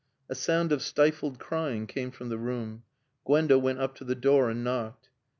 A sound of stifled crying came from the room. Gwenda went up to the door and knocked.